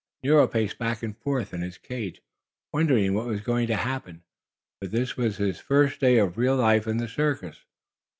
Nero paced back and forth in his cage, wondering what was going to happen, for this was his first day of real life in the circus.